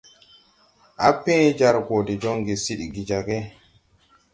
Á pẽẽ jar gɔ de jɔŋge siigi jag.